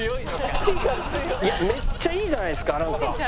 いやめっちゃいいじゃないですかなんか。